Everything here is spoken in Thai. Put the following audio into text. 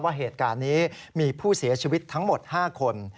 ว่าเหตุการณ์นี้มีผู้เสียชีวิตทั้งหมด๕คน